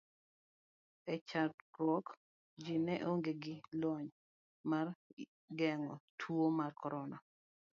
E chakruok ji ne onge gi lony mar geng'o tuo mar korona.